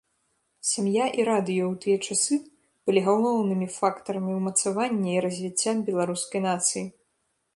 Сям'я і радыё ў тыя часы былі галоўнымі фактарамі ўмацавання і развіцця беларускай нацыі.